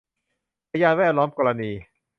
พยานแวดล้อมกรณี